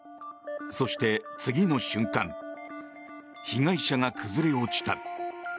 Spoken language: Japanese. そして、次の瞬間被害者が崩れ落ちた。